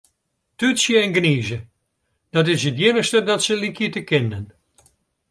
Tútsje en gnize, dat is it iennichste dat se lykje te kinnen.